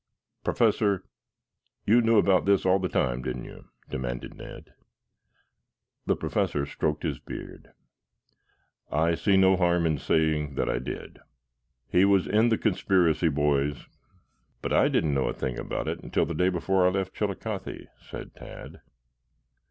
"Professor, you knew about this all the time, didn't you?" demanded Ned. The Professor stroked his beard. "I see no harm in saying that I did." "He was in the conspiracy, boys, but I didn't know a thing about it until the day before I left Chillicothe," said Tad.